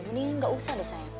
mendingan enggak usah sayang